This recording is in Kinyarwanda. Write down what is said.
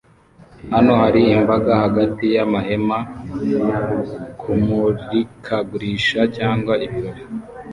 Hano hari imbaga hagati yamahema kumurikagurisha cyangwa ibirori